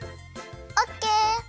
オッケー！